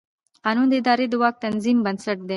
قانون د ادارې د واک د تنظیم بنسټ دی.